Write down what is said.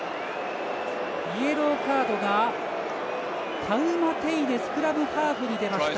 イエローカードがタウマテイネスクラムハーフに出ました。